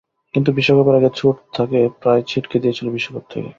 কিন্তু বিশ্বকাপের আগে চোট তাঁকে প্রায় ছিটকে দিয়েছিল বিশ্বকাপ থেকে।